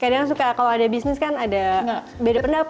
kadang suka kalau ada bisnis kan ada beda pendapat